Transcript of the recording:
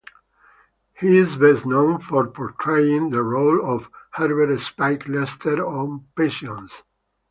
He is best known for portraying the role of Herbert "Spike" Lester on "Passions".